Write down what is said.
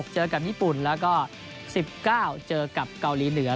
เจอกับญี่ปุ่นแล้วก็๑๙เจอกับเกาหลีเหนือ